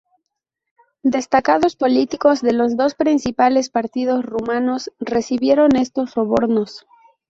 Destacados políticos de los dos principales partidos rumanos recibieron estos sobornos.